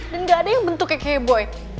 dan gak ada yang bentuknya kayak boy